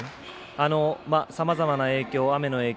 さまざまな影響、雨の影響